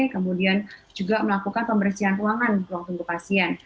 kemudian juga melakukan pembersihan ruangan ruang tunggu pasien